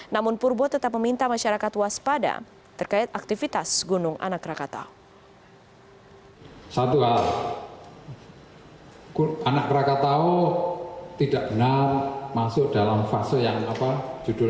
namun purbo tetap meminta masyarakat waspada terkait aktivitas gunung anak rakatau